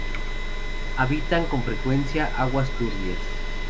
Habitan con frecuencia aguas turbias.